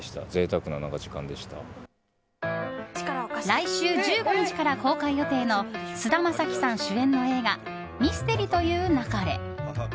来週１５日から公開予定の菅田将暉さん主演の映画「ミステリと言う勿れ」。